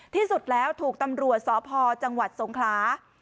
ที่สุดแล้วถูกตำรวจสพจังหวัดสงคลา